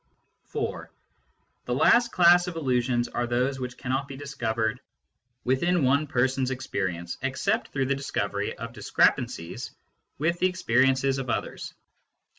(4) The last class of illusions are those which cannot be discovered within one person s experience, except through the discovery of discrepancies with the experiences of others.